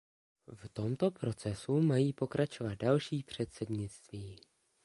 V tomto procesu mají pokračovat další předsednictví.